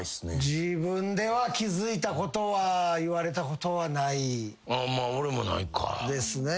自分では気付いたことは言われたことはないですね。